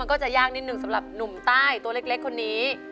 ก็จะยากนิดหนึ่งสำหรับหนุ่มใต้ตัวเล็กคนนี้